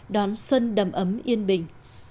đón xuân đầm ấm yên bình